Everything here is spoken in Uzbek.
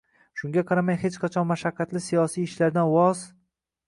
Shunga qaramay, hech qachon mashaqqatli siyosiy ishlardan voz